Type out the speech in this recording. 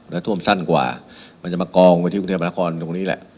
แล้วท่วมสั้นกว่ามันจะมากองไว้ที่กรุงเทพนครตรงนี้แหละ